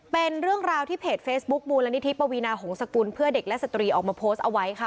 เป็นเรื่องราวที่เพจเฟซบุ๊คมูลนิธิปวีนาหงษกุลเพื่อเด็กและสตรีออกมาโพสต์เอาไว้ค่ะ